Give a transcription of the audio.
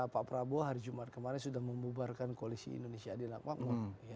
pak prabowo hari jumat kemarin sudah membuarkan koalisi indonesia di lakuakmo